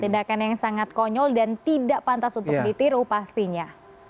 tindakan yang sangat konyol dan tidak pantas untuk ditiru pastinya